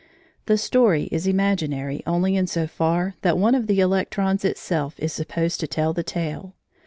The story is imaginary only in so far that one of the electrons itself is supposed to tell the tale.